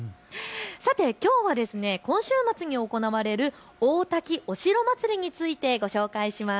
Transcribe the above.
さてきょうは今週末に行われる大多喜お城まつりについてご紹介します。